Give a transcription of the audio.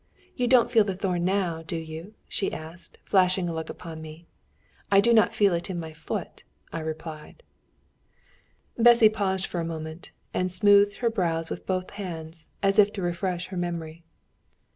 'You don't feel the thorn now, do you?' she asked, flashing a look upon me. 'I do not feel it in my foot,' I replied." [Footnote 36: i.e., a true heath flower.] Bessy paused for a moment, and smoothed her brows with both hands as if to refresh her memory.